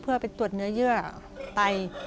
เพื่อไปตรวจเนื้อเยื่อไต